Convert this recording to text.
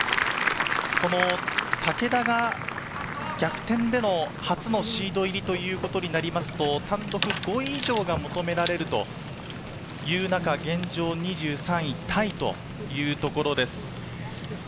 竹田が逆転での初のシード入りとなりますと、単独５位以上が求められるという中、現状、２３位タイというところです。